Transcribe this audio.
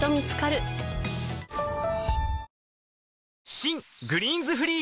新「グリーンズフリー」